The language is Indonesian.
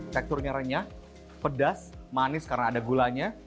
teksturnya renyah pedas manis karena ada gulanya